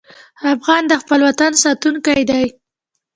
افغان د خپل وطن ساتونکی دی.